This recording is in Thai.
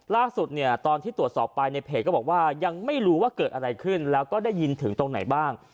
ล่าสุดเนี่ยตอนที่ตรวจสอบไปในเพจก็บอกว่ายังไม่รู้ว่าเกิดอะไรขึ้นแล้วก็ได้ยินถึงตรงไหนบ้าง